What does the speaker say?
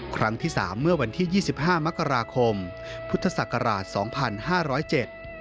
ครั้งที่สามเมื่อวันที่๒๕มกราคมพุทธศักราช๒๕๐๗